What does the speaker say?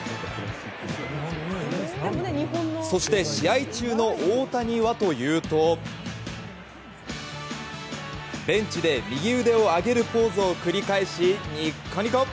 そして、試合中の大谷はというとベンチで右腕を上げるポーズを繰り返しニッコニコ！